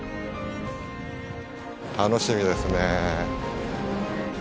楽しみですね。